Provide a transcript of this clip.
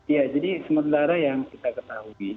ya jadi sementara yang kita ketahui